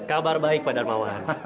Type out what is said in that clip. kabar baik pak darmawan